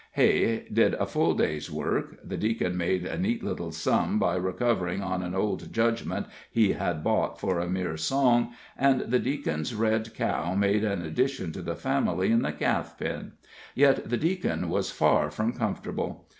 Hay did a full day's work, the Deacon made a neat little sum by recovering on an old judgment he had bought for a mere song, and the Deacon's red cow made an addition to the family in the calf pen; yet the Deacon was far from comfortable.